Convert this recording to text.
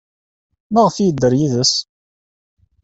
Maɣef ay yedder yid-s?